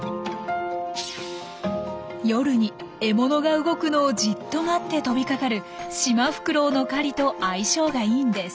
夜に獲物が動くのをじっと待って飛びかかるシマフクロウの狩りと相性がいいんです。